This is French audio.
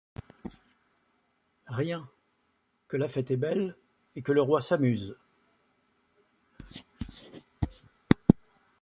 Rien ; que la fête est belle Et que le roi s’amuse.